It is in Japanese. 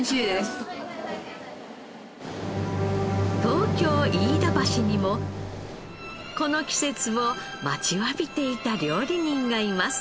東京飯田橋にもこの季節を待ちわびていた料理人がいます。